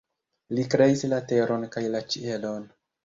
Li kreis la teron kaj la ĉielon.